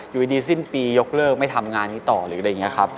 อยู่ดีสิ้นปียกเลิกไม่ทำงานนี้ต่อหรืออะไรอย่างนี้ครับ